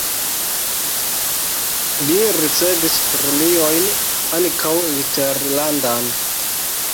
Li ricevis premiojn (ankaŭ eksterlandan).